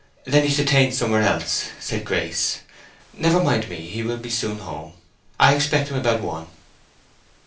"Then he's detained somewhere else," said Grace. "Never mind me; he will soon be home. I expect him about one."